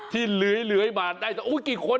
ที่เหลือยมาได้โอ้โหกี่คนอ่ะ